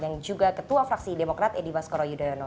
yang juga ketua fraksi demokrat edi baskoro yudhoyono